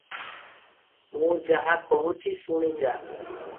ମୁଁ ଯାହା କହୁଛି, ଶୁଣି ଯା ।